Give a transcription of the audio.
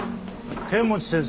剣持先生。